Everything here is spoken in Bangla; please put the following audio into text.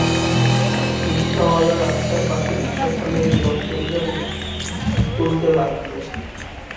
রিকশাওয়ালা রাস্তার পাশে রিকশা থামিয়ে বিরক্ত মুখে হুড তুলতে লাগল।